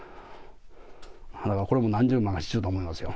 これも何十万かしてると思いますよ。